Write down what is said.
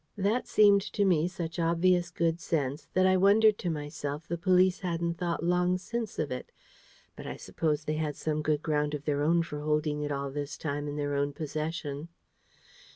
That seemed to me such obvious good sense that I wondered to myself the police hadn't thought long since of it; but I supposed they had some good ground of their own for holding it all this time in their own possession.